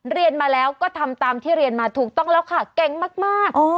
เรียนมาแล้วก็ทำตามที่เรียนมาถูกต้องแล้วค่ะเก่งมาก